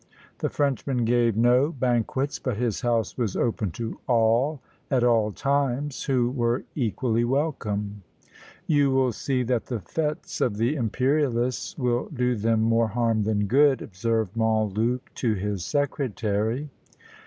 The Frenchman gave no banquets, but his house was open to all at all times, who were equally welcome. "You will see that the fêtes of the imperialists will do them more harm than good," observed Montluc to his secretary.